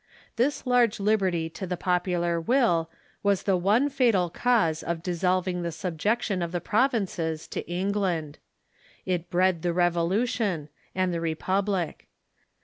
This large liberty to the popular will Avas the one fatal cause of dissolving the subjec tion of the provinces to England. It bred the Revolution, and the Republic.